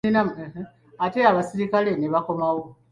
Ate abasirikale ne bakomawo.